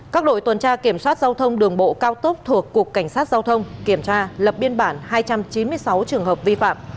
các đội tuần tra kiểm soát giao thông đường bộ cao tốc thuộc cục cảnh sát giao thông kiểm tra lập biên bản hai trăm chín mươi sáu trường hợp vi phạm